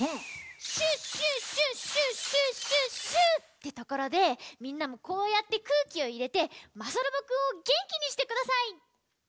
「シュッシュッシュッシュッシュッシュッシュッ」ってところでみんなもこうやってくうきをいれてまさロボくんをげんきにしてください！